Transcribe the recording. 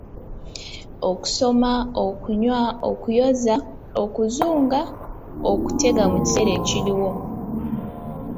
Okusoma, okunywa, okuyoza, okuzunga, okutega mu kiseera ekiriwo.